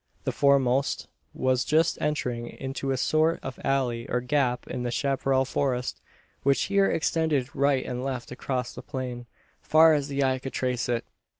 The foremost was just entering into a sort of alley or gap in the chapparal forest; which here extended right and left across the plain, far as the eye could trace it.